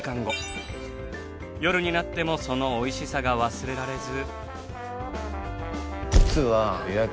夜になってもそのおいしさが忘れられず。